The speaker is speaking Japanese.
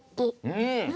うん！